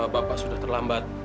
bapak sudah terlambat